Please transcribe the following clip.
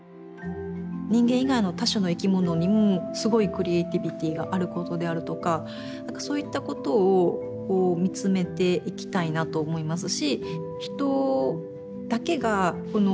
人間以外の他種の生き物にもすごいクリエーティビティーがあることであるとかなんかそういったことを見つめていきたいなと思いますし。